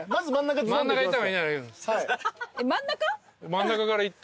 真ん中から行って。